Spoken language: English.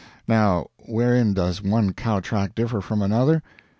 Now wherein does one cow track differ from another?